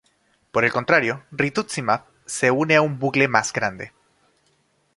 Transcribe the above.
Por el contrario, Rituximab se une a un bucle más grande.